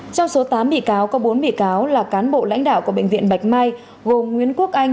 trong số tám bị cáo có bốn bị cáo là cán bộ lãnh đạo của bệnh viện bạch mai gồm nguyễn quốc anh